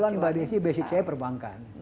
kebetulan mbak desi basic saya perbankan